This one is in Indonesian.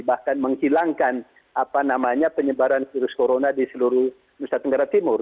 bahkan menghilangkan penyebaran virus corona di seluruh nusa tenggara timur